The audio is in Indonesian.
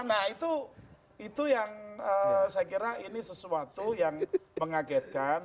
nah itu yang saya kira ini sesuatu yang mengagetkan